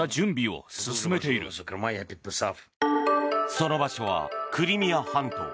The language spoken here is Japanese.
その場所はクリミア半島。